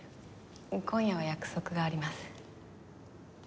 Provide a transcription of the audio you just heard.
今夜は約束があります。